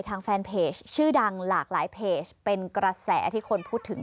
ทางแฟนเพจชื่อดังหลากหลายเพจเป็นกระแสที่คนพูดถึง